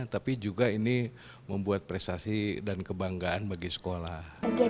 tapi juga ini membuat prestasi dan kebanggaan bagi sekolah